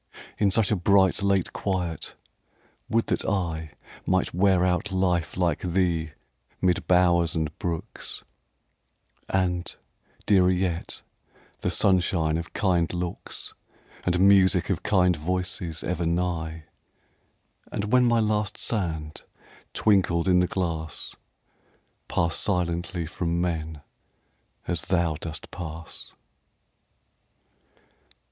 In such a bright, late quiet, would that I Might wear out life like thee, mid bowers and brooks, And, dearer yet, the sunshine of kind looks, And music of kind voices ever nigh; And when my last sand twinkled in the glass, Pass silently from men, as thou dost pass.